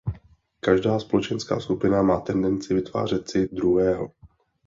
Každá společenská skupina má tendenci vytvářet si Druhého.